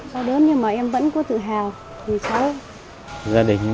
đau đớn nhưng mà em vẫn có tự hào vì cháu